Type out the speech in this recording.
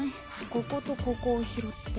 こことここを拾って。